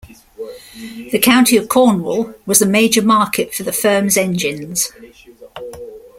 The county of Cornwall was a major market for the firm's engines.